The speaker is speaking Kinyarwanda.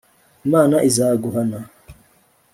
imana izaguhana